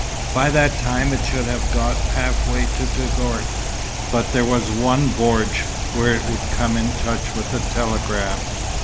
By that time, it should have got half way to Touggourt; but there was one bordj where it would come in touch with the telegraph.